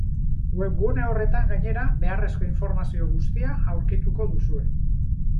Webgune horretan gainera beharrezko informazio guztia aurkituko duzue.